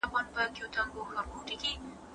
د مثبتو خلګو خبرو ته غوږ ونیسئ.